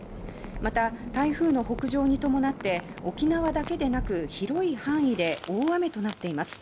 また、台風の北上に伴って沖縄だけでなく広い範囲で大雨となっています。